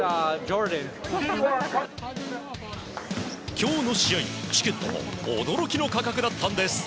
今日の試合、チケットも驚きの価格だったんです。